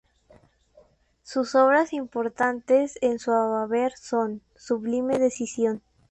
Otras obras importantes en su haber son: "¡Sublime decisión!